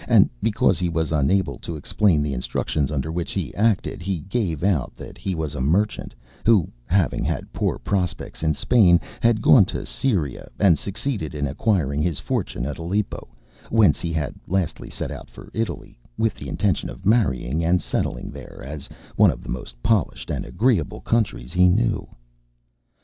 And because he was unable to explain the instructions under which he acted, he gave out that he was a merchant, who having had poor prospects in Spain, had gone to Syria, and succeeded in acquiring his fortune at Aleppo, whence he had lastly set out for Italy, with the intention of marrying and settling there, as one of the most polished and agreeable countries he knew.